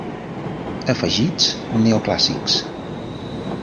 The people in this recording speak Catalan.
Afegits neoclàssics.